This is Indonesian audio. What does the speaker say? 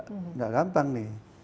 tidak gampang nih